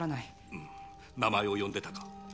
うん名前を呼んでたか？